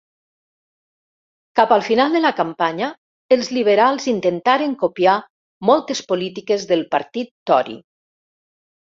Cap al final de la campanya, els Liberals intentaren copiar moltes polítiques del partit Tory.